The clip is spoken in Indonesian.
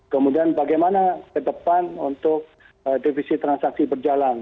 kemudian bagaimana ke depan untuk defisit transaksi berjalan